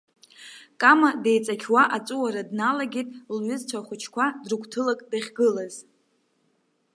Кама деиҵақьуа аҵәуара дналагеит, лҩызцәа хәыҷқәа дрыгәҭылак дахьгылаз.